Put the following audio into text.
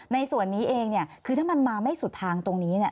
ในส่วนนี้เองเนี่ยคือถ้ามันมาไม่สุดทางตรงนี้เนี่ย